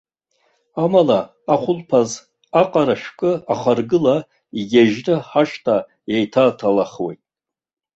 Амала, ахәылԥаз, аҟара шәкы ахаргыла, игьежьны ҳашҭа еиҭааҭалахуеит.